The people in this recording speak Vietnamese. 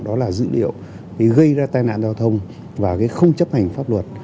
đó là dữ liệu gây ra tai nạn giao thông và cái không chấp hành pháp luật